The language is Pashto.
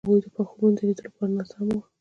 هغوی د پاک خوبونو د لیدلو لپاره ناست هم وو.